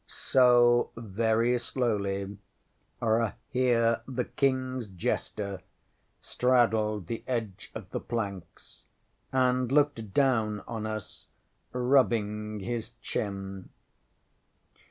So, very slowly, Rahere the KingŌĆÖs jester straddled the edge of the planks, and looked down on us, rubbing his chin.